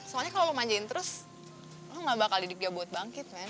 soalnya kalau lo manjain terus lo gak bakal didik dia buat bangkit men